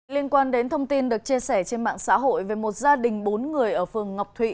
liên quan đến thông tin được chia sẻ trên mạng xã hội về một gia đình bốn người ở phường ngọc thụy